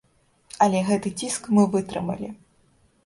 Але гэты ціск мы вытрымалі!